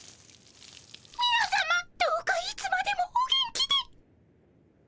みなさまどうかいつまでもお元気で。